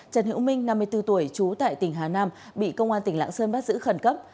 trần hiễu minh năm mươi bốn tuổi trú tại tỉnh hà nam bị công an tỉnh lạng sơn bắt giữ khẩn cấp